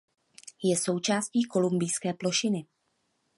Je součástí Kolumbijské plošiny.